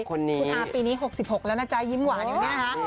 คุณอาปีนี้๖๖แล้วนะจ๊ะยิ้มหวานอยู่นี่นะคะ